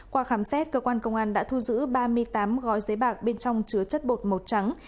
qua khám xét cơ quan công an đã thu giữ ba mươi tám gói giấy bạc bên trong chứa chất bột màu trắng